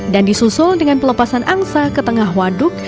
dan disusul dengan pelepasan angsa ke tengah waduk